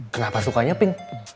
kenapa sukanya pink